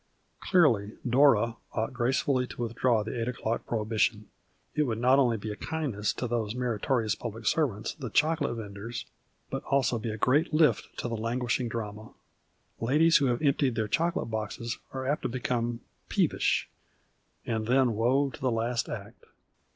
Clearly " Dora " ought gracefully to withdraw the 8 o'clock pro hibition. It would not only be a kindness to those meritorious public servants, the chocolate vendors, but be also a great lift to the languishing drama. Ladies who huAc emptied their chocolate boxes are apt to become pee\ish — and then woe to the last act.